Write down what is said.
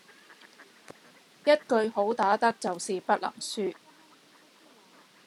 一句好打得就是不能輸